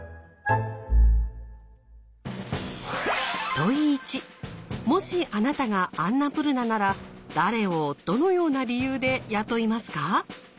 問１もしあなたがアンナプルナなら誰をどのような理由で雇いますか？